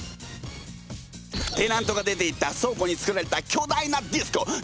テナントが出ていった倉庫につくられた巨大なディスコ。